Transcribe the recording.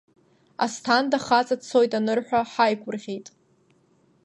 Асҭанда хаҵа дцоит анырҳәа ҳаигәырӷьеит.